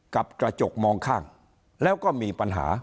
กระจกมองข้างแล้วก็มีปัญหา